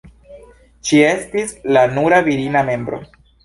Ŝi estis la nura virina membro.